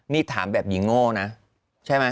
นี่ถามแบบหญิงโง่นะใช่ไหม